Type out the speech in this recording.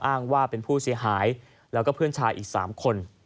อ้างว่าเป็นผู้เสียหายแล้วก็เพื่อนชายอีก๓คน